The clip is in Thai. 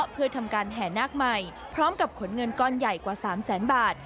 เพื่อทำการแห่นาคใหม่พร้อมกับขนเงินก้อนใหญ่กว่า๓แสนบาท